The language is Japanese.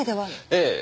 ええ。